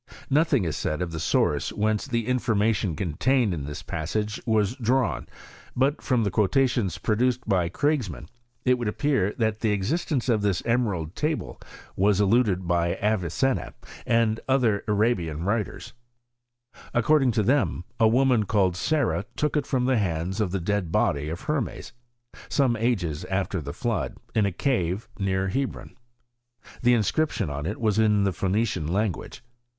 Nothing is said of the source whence the in' formation contained in this passage was drawn : but from the quotations produced by Kriegsmann, i would appear that the existence of this emerald taU was alluded to by Avicenna and other Arabian wnten According to them, a woman called Sarah took i from the hands of the dead body of Hermes, som ages after the flood, in a cave near Hebron. The in scription on it was in the Phoenician language.